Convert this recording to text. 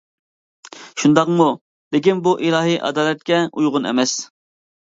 شۇنداقمۇ، لېكىن بۇ ئىلاھىي ئادالەتكە ئۇيغۇن ئەمەس.